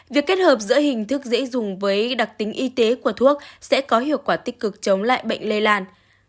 việc kết hợp giữa hình thức dễ dùng với đặc tính y tế của thuốc sẽ có hiệu quả tích cực chống lại bệnh lây lan